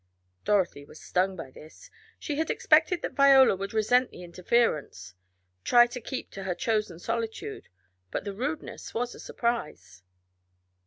Dorothy was stung by this. She had expected that Viola would resent the interference try to keep to her chosen solitude but the rudeness was a surprise.